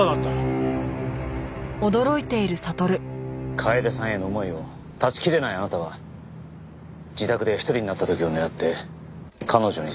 楓さんへの思いを断ち切れないあなたは自宅で一人になった時を狙って彼女に迫った。